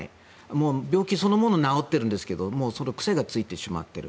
もう病気そのものは治っているんですがそれ、癖がついてしまっている。